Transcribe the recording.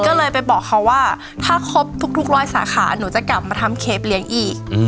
ก็เลยไปบอกเขาว่าถ้าครบทุกร้อยสาขาหนูจะกลับมาทำเคปเลี้ยงอีก